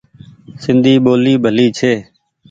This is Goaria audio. سندي ٻولي ڀلي ڇي ۔